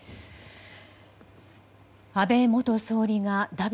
安倍元総理がだ